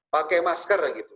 pakai masker gitu